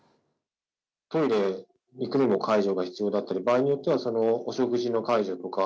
トイレに行くのも介助が必要だったり、場合によっては、お食事の介助とか、